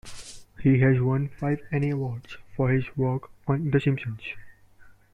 He has won five Annie Awards for his work on "The Simpsons".